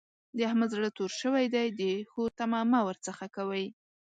د احمد زړه تور شوی دی؛ د ښو تمه مه ور څځه کوئ.